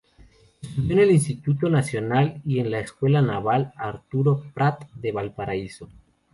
Estudió en el Instituto Nacional y en la Escuela Naval Arturo Prat de Valparaíso.